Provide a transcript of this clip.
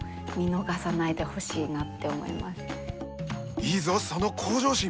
いいぞその向上心！